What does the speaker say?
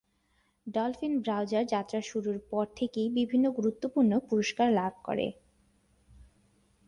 Dolphin browser যাত্রা শুরুর পর থেকেই বিভিন্ন গুরুত্বপূর্ণ পুরস্কার লাভ করে।